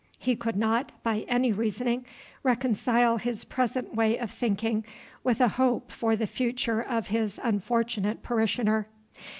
He could not, by any reasoning, reconcile his present way of thinking with a hope for the future of his unfortunate parishioner.